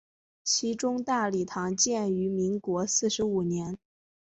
其中大礼堂建于民国四十五年。